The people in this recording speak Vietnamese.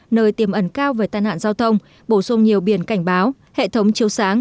nơi tiềm ẩn cao về tai nạn giao thông bổ sung nhiều biển cảnh báo hệ thống chiếu sáng